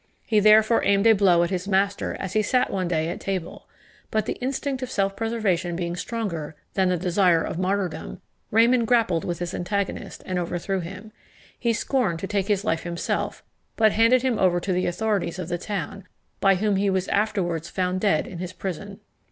He therefore aimed a blow at his master as he sat one day at table; but the instinct of self preservation being stronger than the desire of martyrdom, Raymond grappled with his antagonist, and overthrew him. He scorned to take his life himself; but handed him over to the authorities of the town, by whom he was afterwards found dead in his prison.